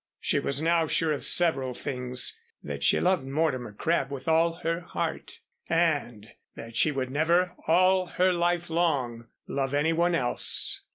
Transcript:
She was now sure of several things that she loved Mortimer Crabb with all her heart and that she would never all her life long love anyone else.